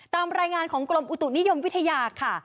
ตามรายงานของกรมอุตุนิยมวิทยาค่ะ